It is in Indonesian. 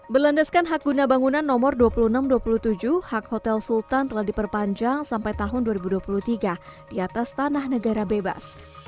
berlandaskan hak guna bangunan nomor dua puluh enam dua puluh tujuh hak hotel sultan telah diperpanjang sampai tahun dua ribu dua puluh tiga di atas tanah negara bebas